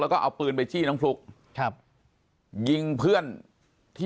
ปากกับภาคภูมิ